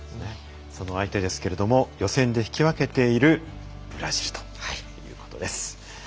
その相手ですが予選で引き分けているブラジルということです。